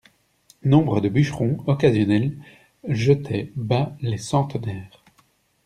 Nombre de bûcherons occasionnels jetaient bas les centenaires.